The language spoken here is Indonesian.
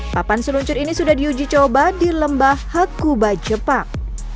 papan seluncur ini sudah diuji coba di lembah hakuba jepang